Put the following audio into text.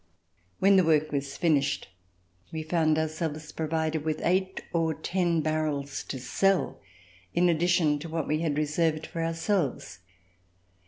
When the work was finished, we found ourselves provided with eight or ten barrels to sell, in addition to what we had reserved for ourselves.